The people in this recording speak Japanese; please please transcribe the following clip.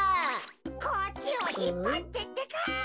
・こっちをひっぱってってか。